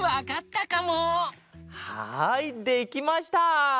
はいできました！